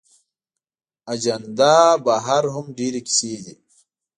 اجندا بهر هم ډېرې کیسې دي.